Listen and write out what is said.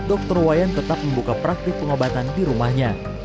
dokter wayan tetap membuka praktik pengobatan di rumahnya